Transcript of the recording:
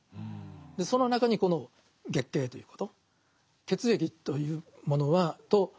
その中にこの月経ということ。